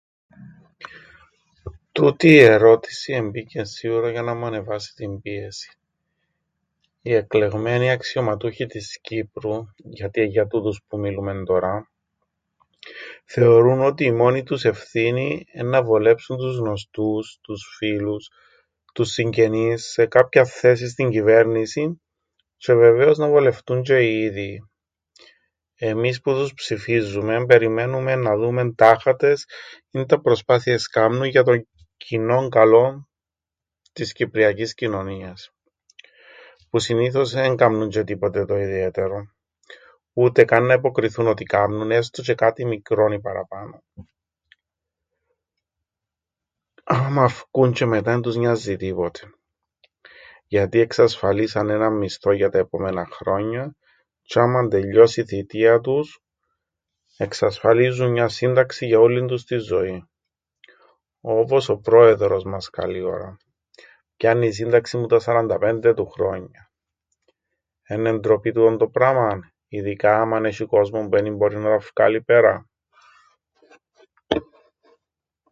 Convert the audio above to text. Τούτη η ερώτηση εμπήκεν σίουρα για να μου ανεβάσει την πίεσην. Οι εκλεγμένοι αξιωματούχοι της Κύπρου -γιατί εν' για τούτους που μιλούμεν τωρά- θεωρούν ότι η μόνη τους ευθύνη εννά βολέψουν τους γνωστούς, τους φίλους, τους συγγενείς σε κάποιαν θέση στην κυβέρνησην, τζ̆αι βεβαίως να βολευτούν τζ̆αι οι ίδιοι. Εμείς που τους ψηφίζουμεν περιμένουμεν να δούμεν τάχατες ίντα προσπάθειες κάμνουν για το κοινόν καλόν της κυπριακής κοινωνίας. Που συνήθως εν κάμνουν τζ̆αι τίποτε το ιδιαίτερον. Ούτε καν να υποκριθούν ότι κάμνουν έστω τζ̆αι κάτι μικρόν οι παραπάνω. Άμαν φκουν τζ̆αι μετά εν τους νοιάζει τίποτε. Γιατί εξασφαλίσαν έναν μισθόν για τα επόμενα χρόνια τζ̆αι άμαν τελειώσει η θητεία τους εξασφαλίζουν μιαν σύνταξην για ούλλην τους την ζωήν. Όπως ο πρόεδρος μας καλή ώρα. Πιάννει σύνταξην που τα 45 του χρόνια. Έννεν' ντροπή τούτον το πράμαν; Ειδικά άμαν έσ̆ει κόσμον που εν ι-μπόρει να τα φκάλει πέρα;